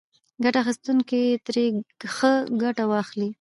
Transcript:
ګټه اخیستونکي ترې ښه ګټه واخلي.